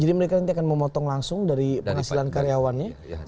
jadi mereka nanti akan memotong langsung dari penghasilan karyawannya